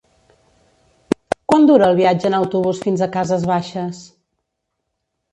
Quant dura el viatge en autobús fins a Cases Baixes?